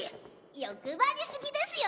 欲張りすぎですよ